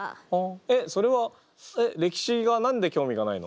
えっそれはえっ歴史が何で興味がないの？